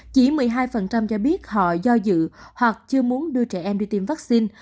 chỉ một mươi hai cho biết họ do dự hoặc chưa muốn đưa trẻ em đi tiêm vaccine